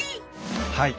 はい。